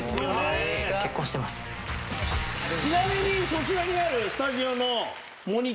ちなみにそちらにあるスタジオのモニター。